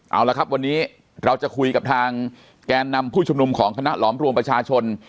เอาละครับวันนี้เราจะคุยกับทางแกนนำผู้ชุมนุมของคณะหลอมรวมประชาชน